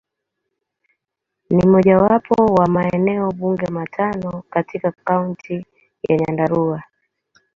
Ni mojawapo wa maeneo bunge matano katika Kaunti ya Nyandarua.